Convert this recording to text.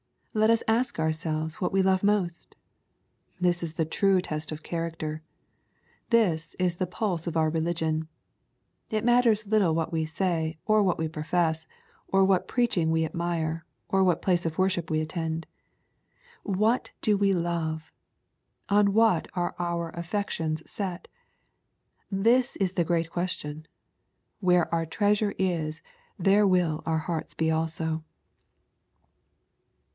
Let us ask ourselves what we love most ? This is the true test of character. This is the pulse of our religion. It matters little what we sa}', or what we profess, or what preaching we admire, or what place of worship we attend. What do we love ? On what are our affections set ? This is the great question. " Where our treasure is there will our hearts be also."